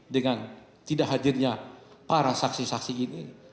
dengan tidak hadirnya para saksi saksi ini